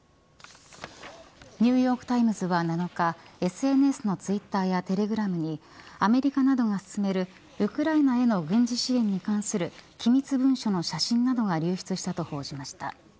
ニューヨーク・タイムズは７日ＳＮＳのツイッターやテレグラムにアメリカなどが進めるウクライナへの軍事支援に関する機密文書の写真などが流出したと報じました。